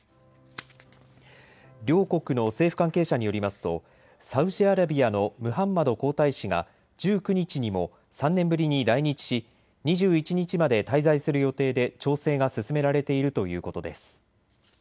両国の政府関係者によりますとサウジアラビアのムハンマド皇太子が１９日にも３年ぶりに来日し２１日まで滞在する予定で調整が進められているということです。